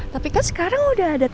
tapi kan sekarang udah ada